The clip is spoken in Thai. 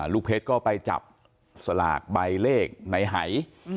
ลูกเพชรก็ไปจับสลากใบเลขในหาย